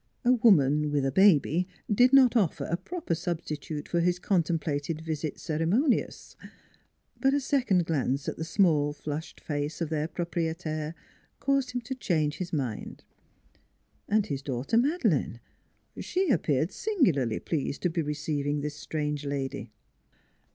A woman, with a baby, did not offer a proper substitute for his contemplated visit cere monious. But a second glance at the small flushed face of their proprietaire caused him to change NEIGHBORS 203 his mind. And his daughter Madeleine she ap peared singularly pleased to be receiving this strange lady.